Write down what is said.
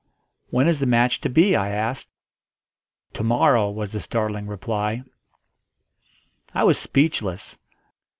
"When is the match to be?" I asked. "To morrow," was the startling reply. I was speechless.